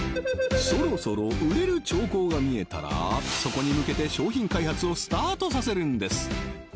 そろそろ売れる兆候が見えたらそこに向けて商品開発をスタートさせるんです